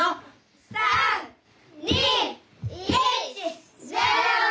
３２１０！